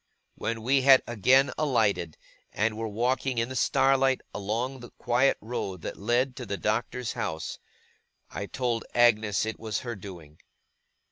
When we had again alighted, and were walking in the starlight along the quiet road that led to the Doctor's house, I told Agnes it was her doing.